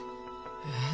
えっ？